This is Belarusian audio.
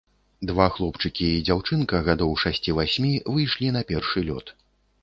Два хлопчыкі і дзяўчынка гадоў шасці-васьмі выйшлі на першы лёд.